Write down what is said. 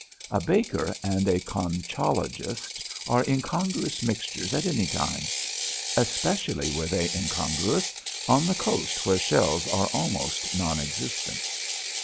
A baker and a conchologist are incongruous mixtures at any time. Especially were they incongruous on that coast where shells are almost non existent.